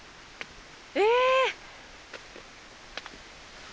え！